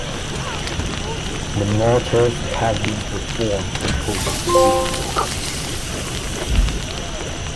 The motets have been performed and published individually.